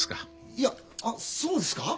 いやあっそうですか？